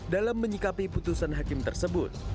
dalam menyikapi putusan hakim tersebut